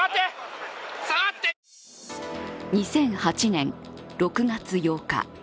２００８年６月８日。